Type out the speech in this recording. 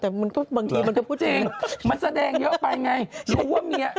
แต่มันก็บางทีพูดว่าจริงมันแสดงเยอะไปไง